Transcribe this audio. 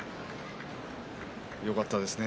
よかったですね